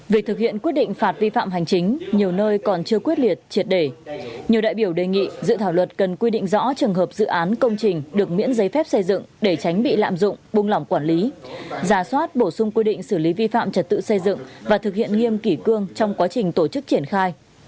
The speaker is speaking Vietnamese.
về thực hiện quyết định phạt vi phạm hành chính nhiều nơi còn chưa quyết liệt triệt đề nhiều đại biểu đề nghị dự thảo luật cần quy định rõ trường hợp dự án công trình được miễn giấy phép xây dựng để tránh bị lạm dụng buông lỏng quản lý giả soát bổ sung quy định xử lý vi phạm trật tự xây dựng và thực hiện nghiêm kỷ cương trong quá trình tổ chức triển khai